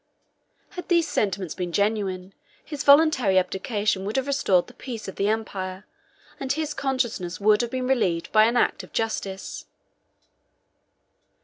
Had these sentiments been genuine, his voluntary abdication would have restored the peace of the empire, and his conscience would have been relieved by an act of justice.